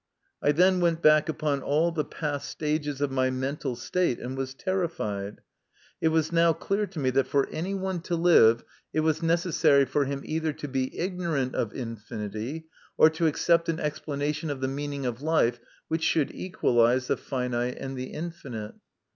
I then went back upon all the past stages of my mental state, and was terrified. It was now clear to me that for anyone to live it MY CONFESSION. 89 was necessary for him either to be ignorant of infinity or to accept an explanation of the meaning of life which should equalise the finite and the infinite.